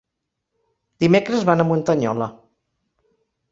Dimecres van a Muntanyola.